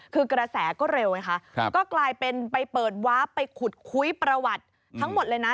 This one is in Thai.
คือกระแสก็เร็วไงคะก็กลายเป็นไปเปิดวาร์ฟไปขุดคุยประวัติทั้งหมดเลยนะ